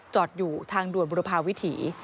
จอดอยู่ทางด่วนบุรพาวิถี